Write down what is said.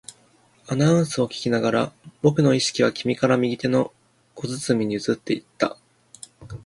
アナウンスを聞きながら、僕の意識は君から右手の小包に移っていった